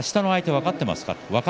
分かっています。